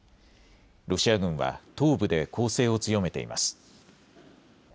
ロシア軍は東部で攻勢を強めています。